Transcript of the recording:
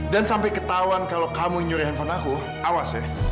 dan sampe ketauan kalau kamu nyuri handphone aku awas ya